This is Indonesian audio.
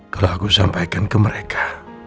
kalau aku sampaikan ke mereka